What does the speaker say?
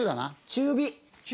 中火？